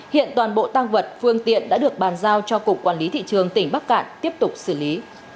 hiện toàn bộ tăng vật phương tiện đã được bàn giao cho cục quản lý thị trường tỉnh bắc cạn tiếp tục xử lý